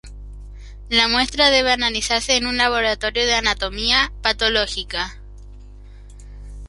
La muestra debe analizarse en un laboratorio de Anatomía Patológica.